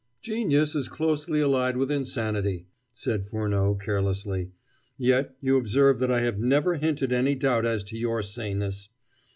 "Genius is closely allied with insanity," said Furneaux carelessly; "yet, you observe that I have never hinted any doubt as to your saneness.